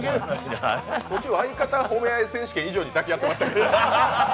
もちろん「相方褒め合い選手権」以上に抱き合ってましたけど。